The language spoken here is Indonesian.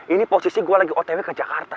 ini posisi gue lagi otp ke jakarta